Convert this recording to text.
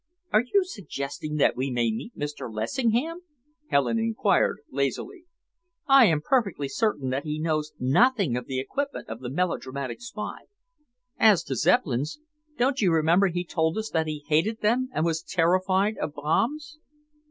"Are you suggesting that we may meet Mr. Lessingham?" Helen enquired, lazily. "I am perfectly certain that he knows nothing of the equipment of the melodramatic spy. As to Zeppelins, don't you remember he told us that he hated them and was terrified of bombs."